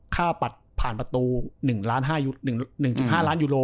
ปัดผ่านประตู๑๕ล้านยูโล